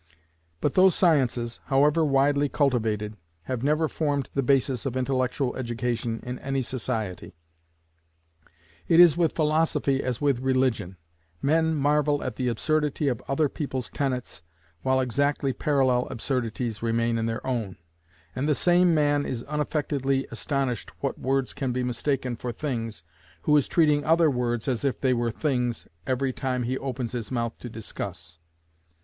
But those sciences, however widely cultivated, have never formed the basis of intellectual education in any society. It is with philosophy as with religion: men marvel at the absurdity of other people's tenets, while exactly parallel absurdities remain in their own, and the same man is unaffectedly astonished that words can be mistaken for things, who is treating other words as if they were things every time he opens his mouth to discuss.